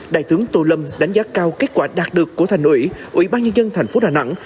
đại tướng tô lâm đánh giá cao kết quả đạt được của thành ủy ủy ban nhân dân thành phố đà nẵng